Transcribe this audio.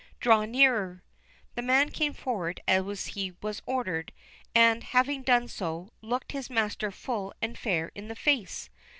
Draw nearer." The man came forward as he was ordered, and, having done so, looked his master full and fair in the face.